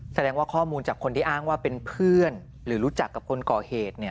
แสดงว่าข้อมูลจากคนที่อ้างว่าเป็นเพื่อนหรือรู้จักกับคนก่อเหตุ